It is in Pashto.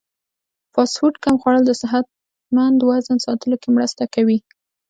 فاسټ فوډ کم خوړل د صحتمند وزن ساتلو کې مرسته کوي.